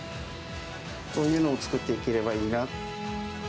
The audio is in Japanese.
そういうのを作っていければいい